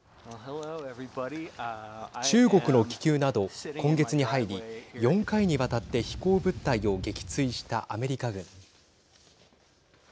中国の気球など今月に入り４回にわたって飛行物体を撃墜したアメリカ軍。